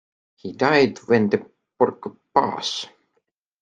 He died when the Pourquoi-Pas?